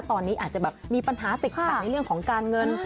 ตอนนี้อาจจะแบบมีปัญหาติดขัดในเรื่องของการเงิน